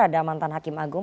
ada mantan hakim agung